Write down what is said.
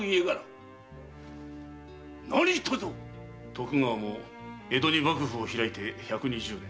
徳川も江戸に幕府を開いて百二十年。